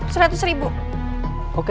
seratus ribu ya